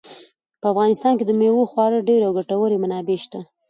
په افغانستان کې د مېوو خورا ډېرې او ګټورې منابع شته.